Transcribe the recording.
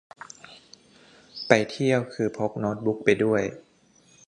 ไปเที่ยวคือพกโน๊ตบุ๊กไปด้วย